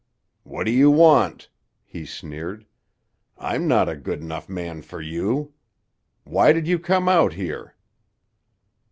"What do you want?" he sneered. "I'm not a good enough man for you. Why did you come out here?"